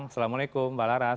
assalamualaikum mbak laras